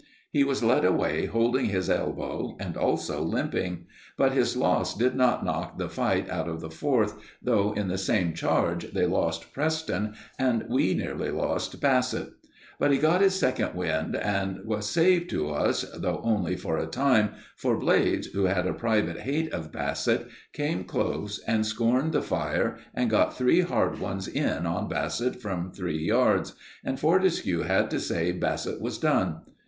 He was led away holding his elbow and also limping; but his loss did not knock the fight out of the Fourth, though in the same charge they lost Preston and we nearly lost Bassett. But he got his second wind and was saved to us, though only for a time, for Blades, who had a private hate of Bassett, came close and scorned the fire, and got three hard ones in on Bassett from three yards; and Fortescue had to say Bassett was done.